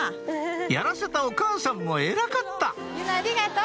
やらせたお母さんも偉かった結菜ありがとう。